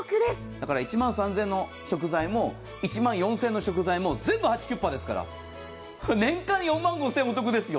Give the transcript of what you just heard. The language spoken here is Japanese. だから１万３０００円の食材も１万４０００円の食材も、全部ハチキュッパですから、年間４万５０００円お得ですよ。